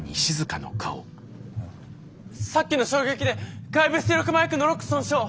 さっきの衝撃で外部出力マイクのロック損傷。